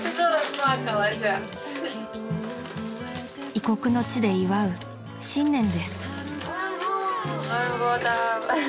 ［異国の地で祝う新年です］